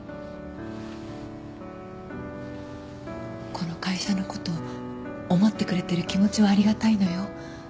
この会社のこと思ってくれてる気持ちはありがたいのよ。